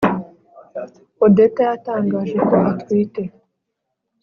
odeta yatangaje ko atwite